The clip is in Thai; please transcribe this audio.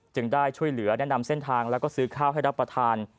ได้ช่วยเหลือแนะนำเส้นทางแล้วก็ซื้อข้าวให้รับประทาน